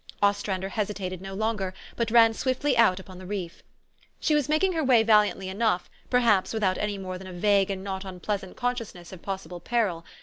Ostrander hesitated no longer, but ran swiftly out upon the reef. She was making her way valiantly enough, per haps without any more than a vague and not un pleasant consciousness of possible peril.